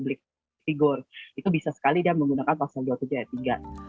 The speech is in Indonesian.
figur itu bisa sekali dia menggunakan pasal dua puluh tujuh ayat tiga